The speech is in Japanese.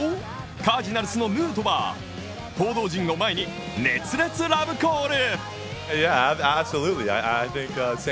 カージナルスのヌートバー、報道陣を前に、熱烈ラブコール。